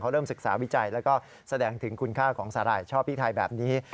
เริ่มศึกษาวิจัยแล้วก็แสดงถึงคุณค่าของสาหร่ายชอบพี่ไทยแบบนี้